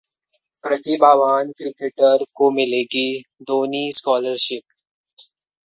प्रतिभावान क्रिकेटर को मिलेगी 'धोनी स्कॉलरशिप'